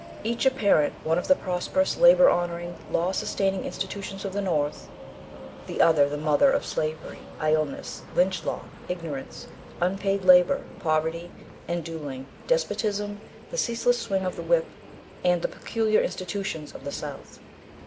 Each a parent, one of the prosperous, labour honouring, law sustaining institutions of the North; the other the mother of slavery, idleness, lynch law, ignorance, unpaid labour, poverty, and duelling, despotism, the ceaseless swing of the whip, and the peculiar institutions of the South.